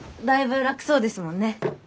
だいぶ楽そうですもんね。